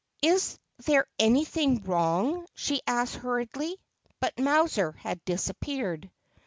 ' Is there anything wrong ?' she asked hurriedly ; but Mowser had disappeared.